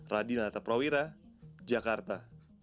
radina lataprawira jakarta